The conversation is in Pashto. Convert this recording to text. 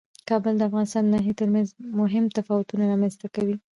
کابل د افغانستان د ناحیو ترمنځ مهم تفاوتونه رامنځ ته کوي.